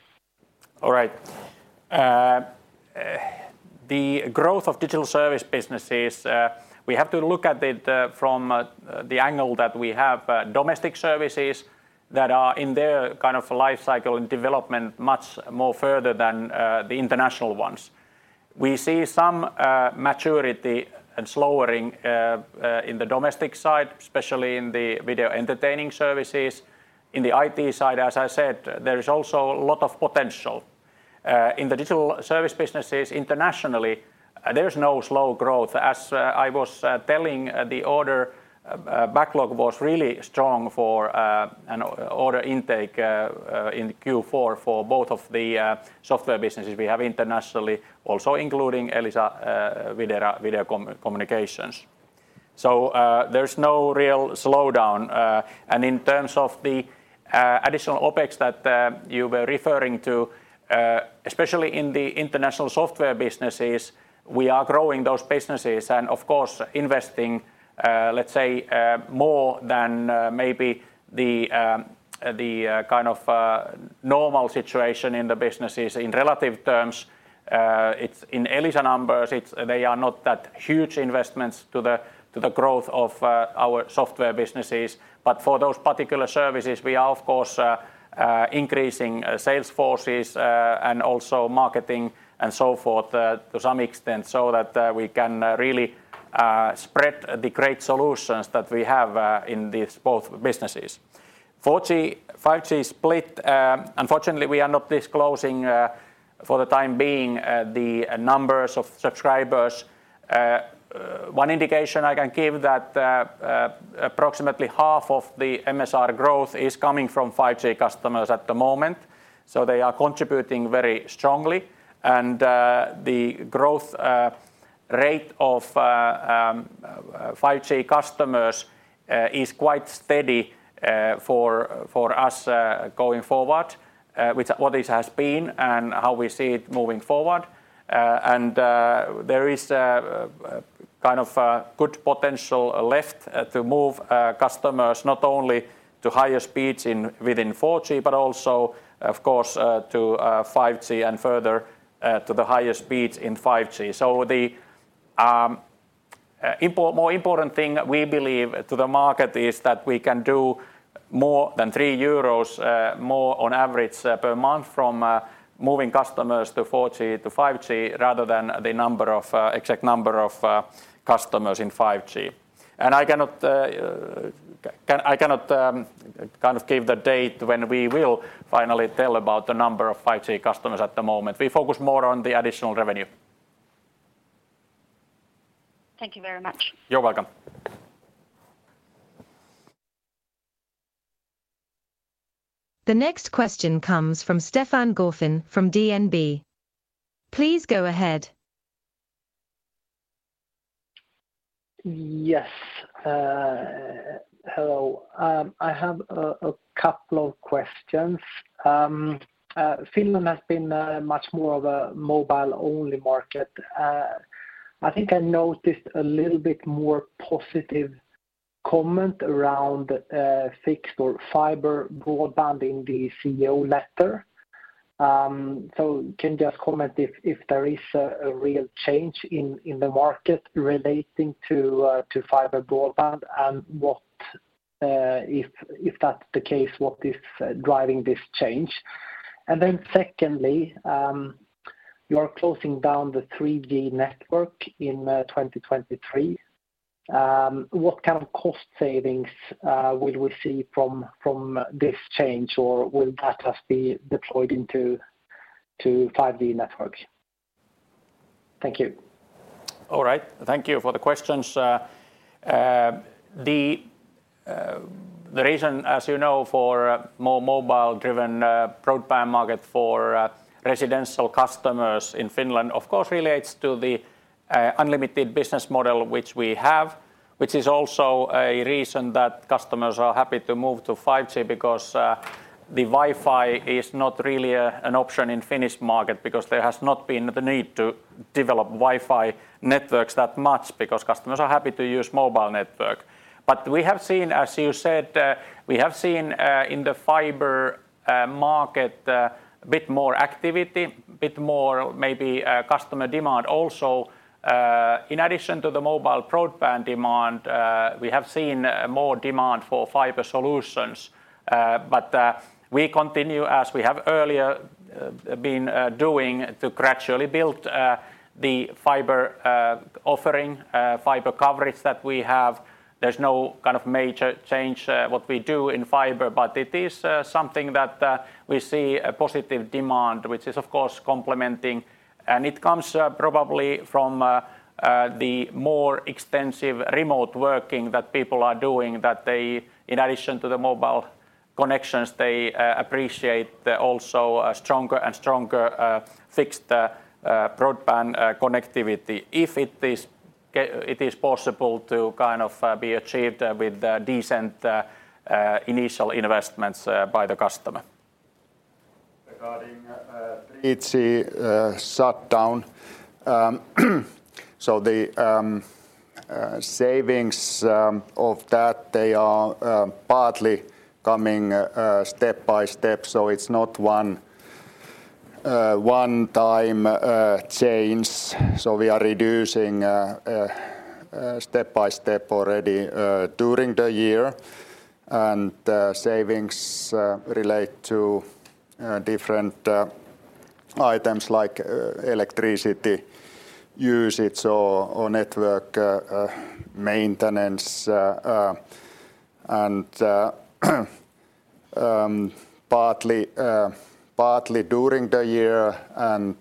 All right. The growth of digital service businesses, we have to look at it from the angle that we have domestic services that are in their kind of life cycle and development much more further than the international ones. We see some maturity and slowing in the domestic side, especially in the video entertaining services. In the IT side, as I said, there is also a lot of potential. In the digital service businesses internationally, there is no slow growth. As I was telling, the order backlog was really strong for an order intake in Q4 for both of the software businesses we have internationally, also including Elisa Video Communications. There's no real slowdown. In terms of the additional OpEx that you were referring to, especially in the international software businesses, we are growing those businesses and of course, investing, let's say, more than maybe the kind of normal situation in the businesses in relative terms. It's in Elisa numbers, they are not that huge investments to the growth of our software businesses. For those particular services, we are, of course, increasing sales forces and also marketing and so forth, to some extent, so that we can really spread the great solutions that we have in these both businesses. 4G, 5G split, unfortunately, we are not disclosing for the time being the numbers of subscribers. One indication I can give that approximately half of the MSR growth is coming from 5G customers at the moment. They are contributing very strongly. The growth rate of 5G customers is quite steady for us going forward, which what it has been and how we see it moving forward. There is a kind of good potential left to move customers not only to higher speeds in within 4G, but also of course to 5G and further to the higher speeds in 5G. More important thing we believe to the market is that we can do more than 3 euros, more on average per month from moving customers to 4G to 5G rather than the number of exact number of customers in 5G. I cannot kind of give the date when we will finally tell about the number of 5G customers at the moment. We focus more on the additional revenue. Thank you very much. You're welcome. The next question comes from Stefan Gauffin from DNB. Please go ahead. Yes. Hello. I have a couple of questions. Finland has been much more of a mobile-only market. I think I noticed a little bit more positive comment around fixed or fiber broadband in the CEO letter. Can you just comment if there is a real change in the market relating to fiber broadband? What, if that's the case, what is driving this change? Secondly, you're closing down the 3G network in 2023. What kind of cost savings will we see from this change? Will that just be deployed into 5G networks? Thank you. All right. Thank you for the questions. The reason, as you know, for more mobile-driven broadband market for residential customers in Finland, of course, relates to the unlimited business model which we have, which is also a reason that customers are happy to move to 5G because the Wi-Fi is not really an option in Finnish market because there has not been the need to develop Wi-Fi networks that much because customers are happy to use mobile network. We have seen, as you said, in the fiber market a bit more activity, a bit more maybe customer demand also. In addition to the mobile broadband demand, we have seen more demand for fiber solutions. We continue, as we have earlier, been doing to gradually build the fiber offering, fiber coverage that we have. There's no kind of major change what we do in fiber. It is something that we see a positive demand, which is, of course, complementing. It comes probably from the more extensive remote working that people are doing that they, in addition to the mobile connections, they appreciate the also a stronger and stronger fixed broadband connectivity if it is possible to kind of be achieved with decent initial investments by the customer. Regarding 3G shutdown, the savings of that, they are partly coming step by step, so it's not one time change. We are reducing step by step already during the year. Savings relate to different items like electricity usage or network maintenance. Partly during the year and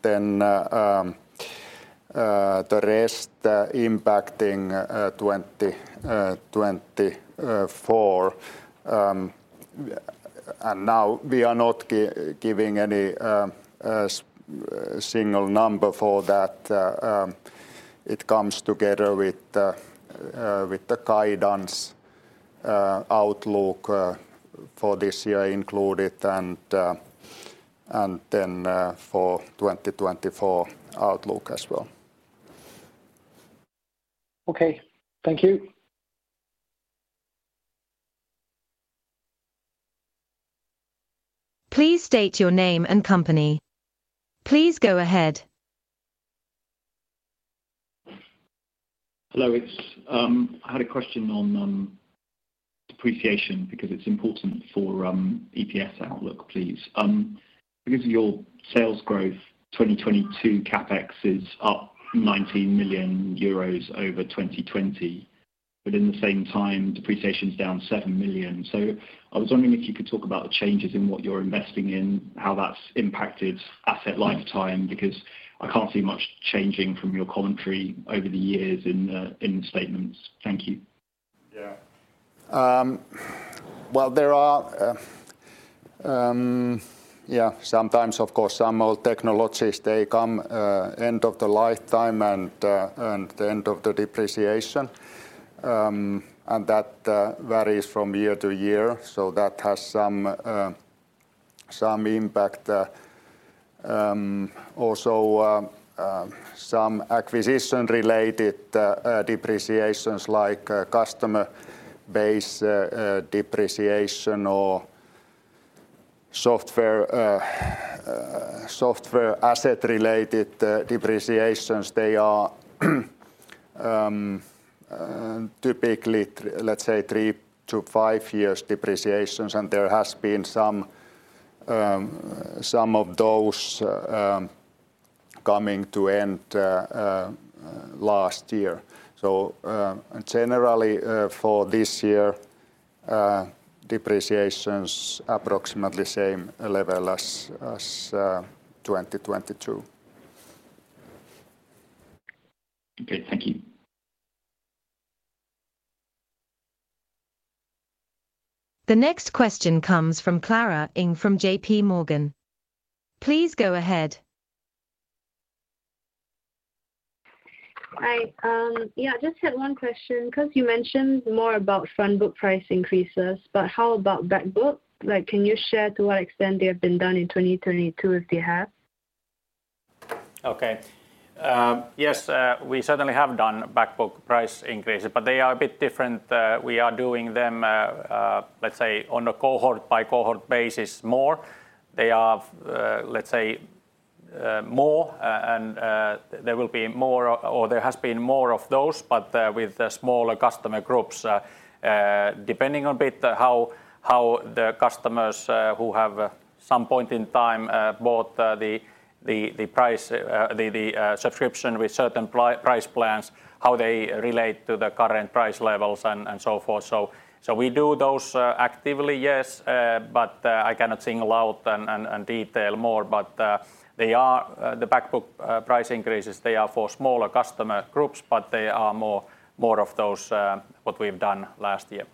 the rest impacting 2024. We are not giving any single number for that. It comes together with the guidance outlook for this year included and for 2024 outlook as well. Okay. Thank you. Please state your name and company. Please go ahead. Hello. I had a question on depreciation because it's important for EPS outlook, please. Because of your sales growth, 2022 CapEx is up 19 million euros over 2020, but in the same time depreciation's down 7 million. I was wondering if you could talk about the changes in what you're investing in, how that's impacted asset lifetime. Because I can't see much changing from your commentary over the years in the statements. Thank you. Well, there are, Yeah, sometimes, of course, some old technologies they come end of the lifetime and the end of the depreciation. That varies from year to year, so that has some impact. Also, some acquisition-related depreciations like customer base depreciation or software asset-related depreciations, they are typically let's say three to five years depreciations, and there has been some of those coming to end last year. Generally, for this year, depreciation's approximately same level as 2022. Okay. Thank you. The next question comes from Clara Cheong from JPMorgan. Please go ahead. Hi. Yeah, I just had one question. You mentioned more about frontbook price increases, but how about back book? Like, can you share to what extent they have been done in 2022 if they have? Okay. Yes, we certainly have done back book price increases. They are a bit different. We are doing them, let's say on a cohort by cohort basis more. They are, let's say, more and there will be more or there has been more of those but with smaller customer groups, depending a bit how the customers who have some point in time bought the price the subscription with certain price plans, how they relate to the current price levels and so forth. We do those actively, yes, but I cannot single out and detail more. They are, the back book, price increases, they are for smaller customer groups, but they are more of those, what we've done last year.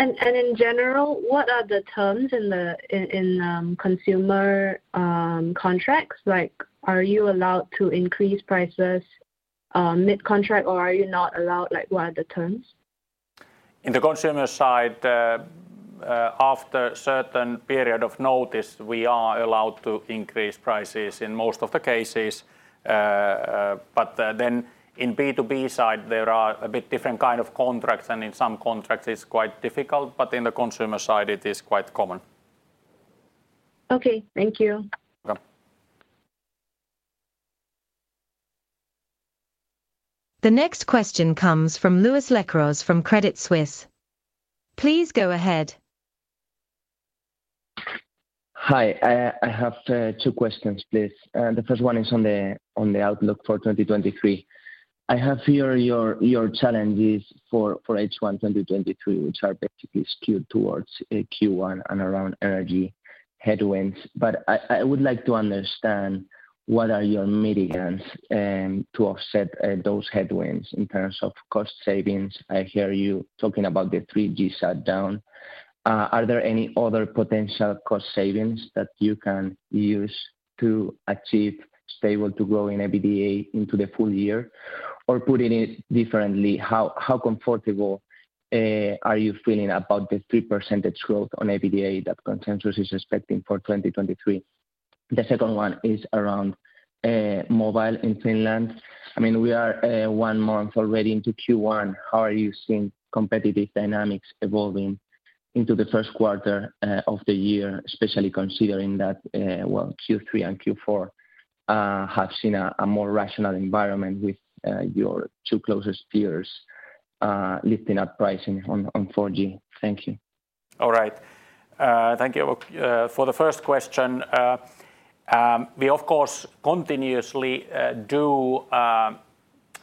In general, what are the terms in consumer contracts? Like, are you allowed to increase prices mid-contract, or are you not allowed? Like, what are the terms? In the consumer side, after certain period of notice, we are allowed to increase prices in most of the cases. In B2B side, there are a bit different kind of contracts, and in some contracts it's quite difficult. In the consumer side, it is quite common. Okay. Thank you. Welcome. The next question comes from Luis Lecaros from Credit Suisse. Please go ahead. Hi. I have two questions please. The first one is on the outlook for 2023. I have here your challenges for H1 2023, which are basically skewed towards Q1 and around energy headwinds. But I would like to understand what are your mitigants to offset those headwinds in terms of cost savings. I hear you talking about the 3G shutdown. Are there any other potential cost savings that you can use to achieve stable to grow in EBITDA into the full year? Or putting it differently, how comfortable are you feeling about the 3% growth on EBITDA that consensus is expecting for 2023? The second one is around mobile in Finland. I mean, we are one month already into Q1. How are you seeing competitive dynamics evolving into the first quarter of the year, especially considering that, well, Q3 and Q4 have seen a more rational environment with your two closest peers lifting up pricing on 4G? Thank you. All right. Thank you. For the first question, we of course continuously do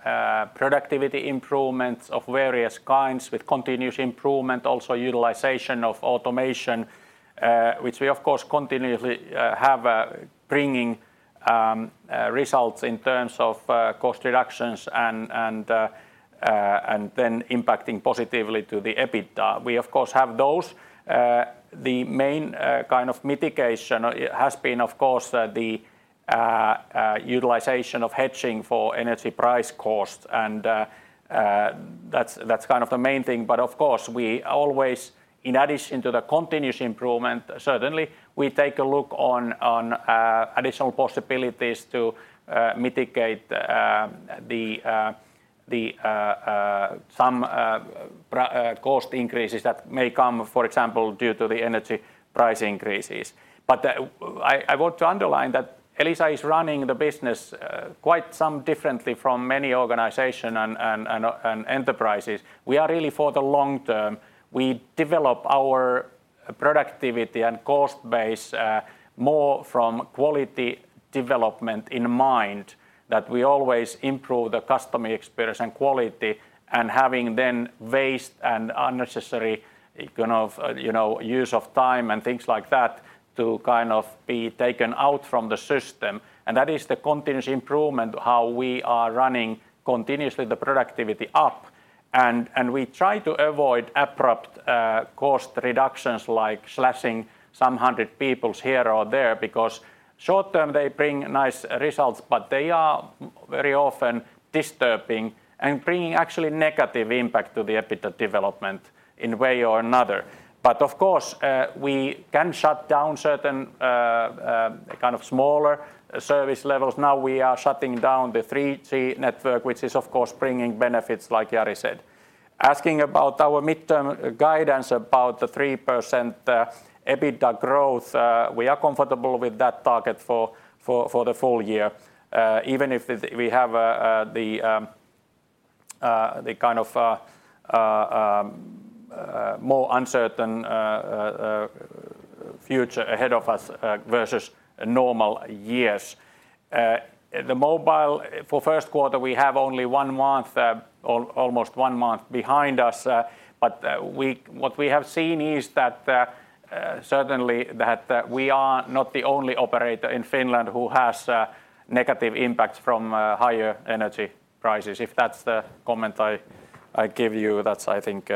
productivity improvements of various kinds with continuous improvement, also utilization of automation, which we of course continuously have bringing results in terms of cost reductions and then impacting positively to the EBITDA. We of course have those. The main kind of mitigation has been of course the utilization of hedging for energy price costs and that's kind of the main thing. Of course we always, in addition to the continuous improvement, certainly we take a look on additional possibilities to mitigate the some cost increases that may come, for example, due to the energy price increases. I want to underline that Elisa is running the business quite some differently from many organization and enterprises. We are really for the long term. We develop our productivity and cost base more from quality development in mind, that we always improve the customer experience and quality and having then waste and unnecessary kind of, you know, use of time and things like that to kind of be taken out from the system. That is the continuous improvement, how we are running continuously the productivity up. We try to avoid abrupt cost reductions like slashing some 100 peoples here or there because short-term they bring nice results, but they are very often disturbing and bringing actually negative impact to the EBITDA development in way or another. Of course, we can shut down certain kind of smaller service levels. Now we are shutting down the 3G network, which is, of course, bringing benefits like Jari said. Asking about our midterm guidance, about the 3% EBITDA growth, we are comfortable with that target for the full year, even if we have the kind of more uncertain future ahead of us versus normal years. The mobile, for first quarter we have only one month, almost one month behind us, but what we have seen is that certainly we are not the only operator in Finland who has negative impacts from higher energy prices. If that's the comment I give you, that's I think,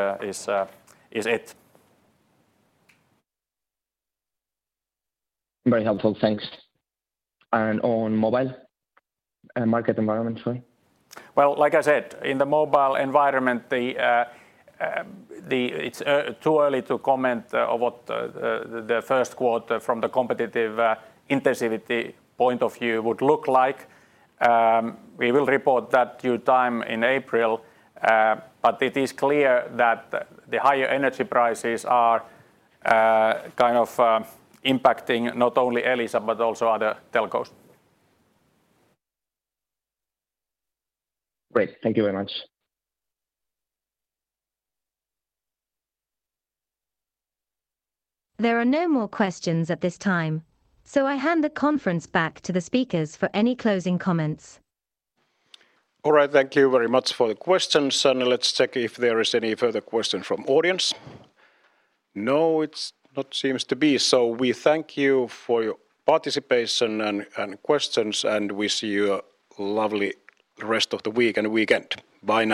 is it. Very helpful. Thanks. On mobile, market environment, sorry. Well, like I said, in the mobile environment it's too early to comment what the first quarter from the competitive intensity point of view would look like. We will report that due time in April. It is clear that the higher energy prices are kind of impacting not only Elisa but also other telcos. Great. Thank you very much. There are no more questions at this time, so I hand the conference back to the speakers for any closing comments. All right. Thank you very much for the questions, and let's check if there is any further question from audience. No, it's not seems to be. We thank you for your participation and questions, and wish you a lovely rest of the week and weekend. Bye now.